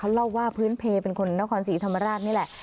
เล่าว่าพื้นเพลเป็นคนนครศรีธรรมราชนี่แหละ